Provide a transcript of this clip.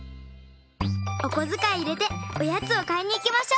おこづかい入れておやつをかいにいきましょ。